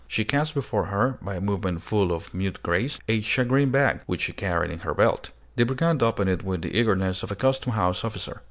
She cast before her, by a movement full of mute grace, a shagreen bag, which she carried in her belt. The brigand opened it with the eagerness of a custom house officer.